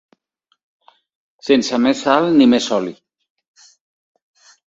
Sense més sal ni més oli.